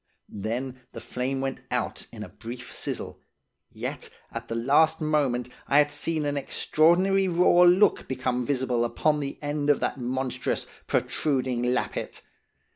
Then the flame went out in a brief sizzle, yet at the last moment I had seen an extraordinary raw look become visible upon the end of that monstrous, protruding lappet.